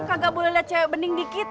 kagak boleh lihat cewek bening dikit